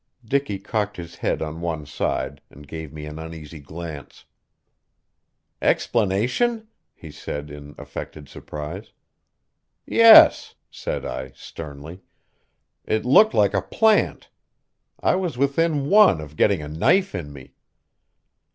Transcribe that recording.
Dicky cocked his head on one side, and gave me an uneasy glance. "Explanation?" he said in affected surprise. "Yes," said I sternly. "It looked like a plant. I was within one of getting a knife in me."